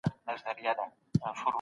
د موضوع مخینه باید په هیڅ ډول هېره نسي.